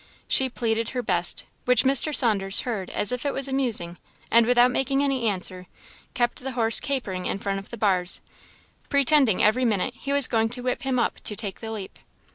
She pleaded her best, which Mr. Saunders heard as if it was amusing, and without making any answer, kept the horse capering in front of the bars, pretending every minute he was going to whip him up to take the leap.